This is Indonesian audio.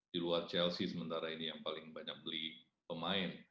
di luar chelsea sementara ini yang paling banyak beli pemain